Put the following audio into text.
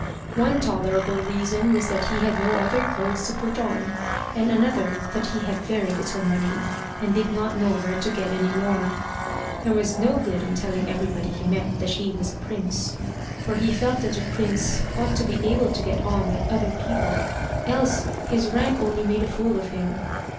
One tolerable reason was that he had no other clothes to put on, and another that he had very little money, and did not know where to get any more. There was no good in telling everybody he met that he was a prince, for he felt that a prince ought to be able to get on like other people, else his rank only made a fool of him.